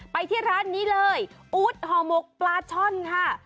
ไปที่ร้านนี้เลยอู๊ดห่อหมกปลาช่อนค่ะ